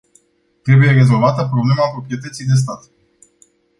Trebuie rezolvată problema proprietății de stat.